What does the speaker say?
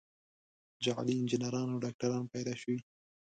جعلي انجینران او ډاکتران پیدا شوي.